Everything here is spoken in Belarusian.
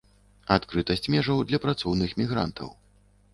Адкрытасць межаў для працоўных мігрантаў.